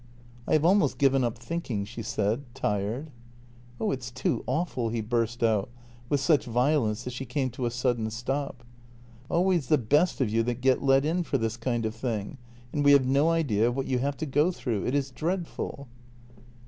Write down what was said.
" I have almost given up thinking," she said, tired. " Oh, it's too awful! " he burst out, with such violence that she came to a sudden stop. " Always the best of you that get let in for this kind of thing, and we have no idea of what you have to go through. It is dreadful